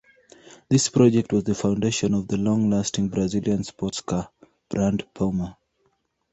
This project was the foundation of the long-lasting Brazilian sports car brand Puma.